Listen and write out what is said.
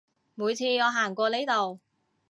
每次我行過呢度